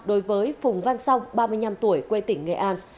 đối với phùng văn song ba mươi năm tuổi quê tỉnh nghệ an